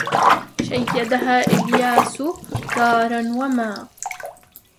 شيدها إلياس دارا وما